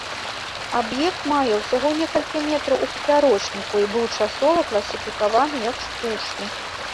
Аб'ект мае ўсяго некалькі метраў у папярочніку і быў часова класіфікаваны як штучны.